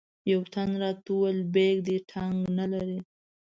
یوه تن راته وویل بیک دې ټګ نه لري.